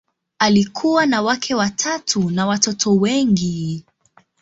Alikuwa na wake watatu na watoto wengi.